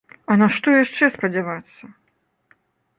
А на што яшчэ спадзявацца?